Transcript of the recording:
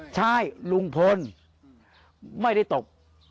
ใช่ลุงพลไม่ได้ตบ